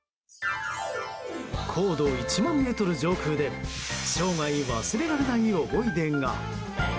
高度１万ｍ上空で生涯忘れられない思い出が。